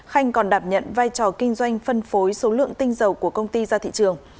khanh còn đạp nhận vai trò kinh doanh phân phối số lượng tinh dầu của công ty ra thị trường